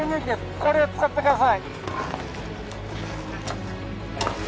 これを使ってください